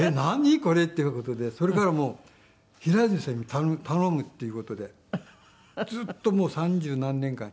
これっていう事でそれからはもう平泉さんに頼むっていう事でずっと三十何年間。